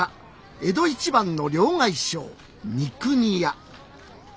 江戸一番の両替商三国屋